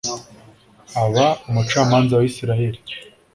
aba umucamanza wa Isirayeli